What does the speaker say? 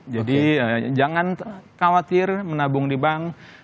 jadi jangan khawatir menabung di bank